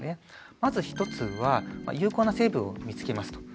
まず１つは有効な成分を見つけますと。